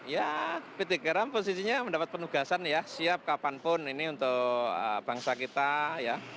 ya pt garam posisinya mendapat penugasan ya siap kapanpun ini untuk bangsa kita ya